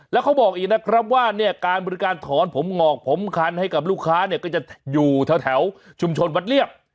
แล้วเขาบอกอีกนะครับว่าเนี่ยการบริการถอนผมงอกผมคันให้กับลูกค้าเนี่ยก็จะอยู่แถวชุมชนวัดเรียบ